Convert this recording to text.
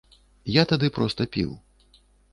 Я тады проста піў.